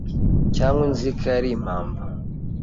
Cyangwa inzika yari impamba